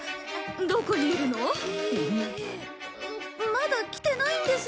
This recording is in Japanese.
まだ来てないんです。